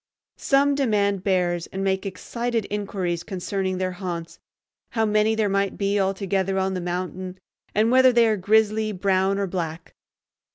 Some demand bears, and make excited inquiries concerning their haunts, how many there might be altogether on the mountain, and whether they are grizzly, brown, or black.